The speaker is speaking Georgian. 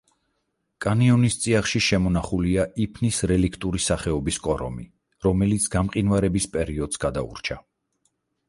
კანიონის წიაღში შემონახულია იფნის რელიქტური სახეობის კორომი, რომელიც გამყინვარების პერიოდს გადაურჩა.